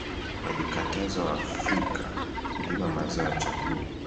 walikatazwa waafrika kulima mazao ya chakula